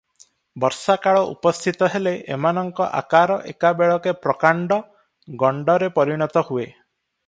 ବର୍ଷାକାଳ ଉପସ୍ଥିତ ହେଲେ ଏମାନଙ୍କ ଅକାର ଏକାବେଳକେ ପ୍ରକାଣ୍ଡ, ଗଣ୍ଡରେ ପରିଣତ ହୁଏ ।